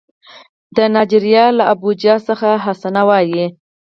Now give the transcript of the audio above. د نایجیریا له ابوجا څخه حسنه وايي